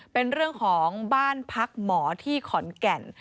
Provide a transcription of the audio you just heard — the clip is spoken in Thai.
เป็นเรื่องของบ้านพักหมอที่ขอนแก่น